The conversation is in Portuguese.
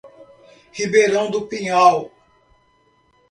Ribeirão do Pinhal